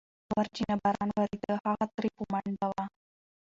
وريچينه باران وريده، هغه ترې په منډه وه.